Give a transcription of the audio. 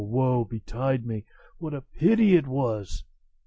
Woe betide me! what a pity it was!"